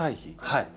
はい。